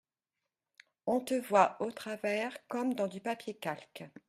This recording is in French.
On te voit au travers comme dans du papier calque.